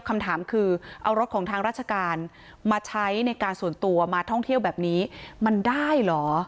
คำถามคือเอารถของทางราชการมาใช้ในการส่วนตัวมาท่องเที่ยวแบบนี้มันได้เหรอ